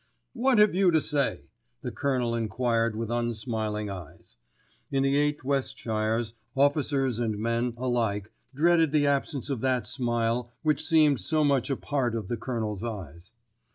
"What have you to say?" the Colonel enquired with unsmiling eyes. In the 8th Westshires officers and men alike dreaded the absence of that smile which seemed so much a part of the Colonel's eyes.